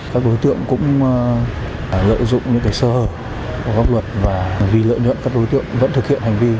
các đối tượng cũng lợi dụng những sơ hở của pháp luật và vì lợi nhuận các đối tượng vẫn thực hiện hành vi